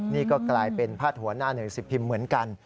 นี่ก็กลายเป็นพาดหัวหน้าหนึ่งสิบพิมพ์เหมือนกัน